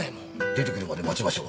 出てくるまで待ちましょう。